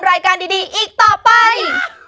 รายการดีอีกต่อไป